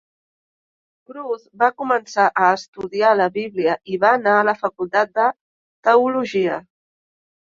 Cruz va començar a estudiar la Bíblia i va anar a la facultat de teologia.